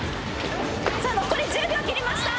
残り１０秒切りました。